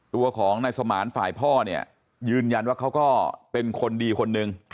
ตัวของนายสมานฝ่ายพ่อเนี่ยยืนยันว่าเขาก็เป็นคนดีคนนึง